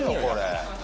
これ。